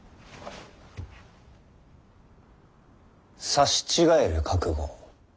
刺し違える覚悟